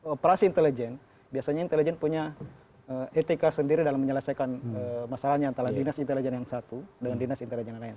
operasi intelijen biasanya intelijen punya etika sendiri dalam menyelesaikan masalahnya antara dinas intelijen yang satu dengan dinas intelijen yang lain